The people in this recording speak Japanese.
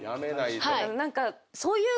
何か。